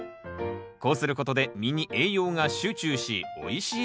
こうすることで実に栄養が集中しおいしい